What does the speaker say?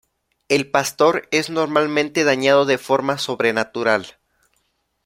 El pastor es normalmente dañado de forma sobrenatural.